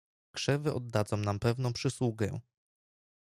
"Krzewy oddadzą nam pewną przysługę."